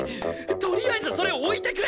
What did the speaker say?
とりあえずそれ置いてくれ！